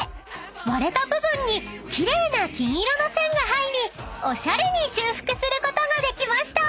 ［割れた部分に奇麗な金色の線が入りおしゃれに修復することができました］